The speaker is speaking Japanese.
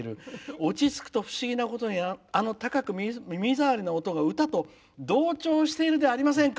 落ち着くと、不思議なことにあの高く耳障りな音が歌と同調しているではありませんか」。